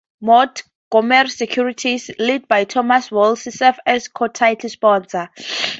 Subaru and Montgomery Securities, led by Thomas Weisel, serve as co-title sponsors.